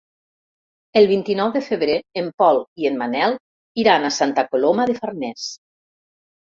El vint-i-nou de febrer en Pol i en Manel iran a Santa Coloma de Farners.